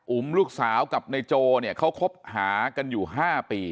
ลูกสาวกับนายโจเนี่ยเขาคบหากันอยู่๕ปี